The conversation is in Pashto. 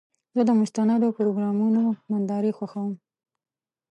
زه د مستندو پروګرامونو نندارې خوښوم.